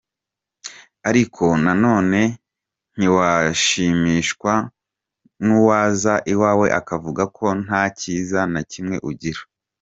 Ariko na none ntiwashimishwa n’uwaza iwawe akavuga ko nta cyiza na kimwe ugira.